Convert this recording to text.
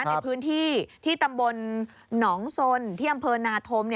ในพื้นที่ที่ตำบลหนองสนที่อำเภอนาธม